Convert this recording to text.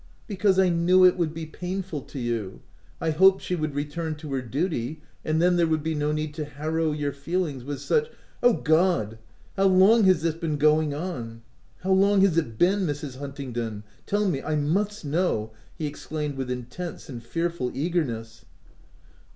''" Because, I knew it would be painful to you — I hoped she would return to her duty, and then there would be no need to harrow your feelings with such " (i O God ! how long has this been going on ? how long has it been, Mrs. Huntingdon ?— Tell me — I must know ! v he exclaimed with intense and fearful eagerness.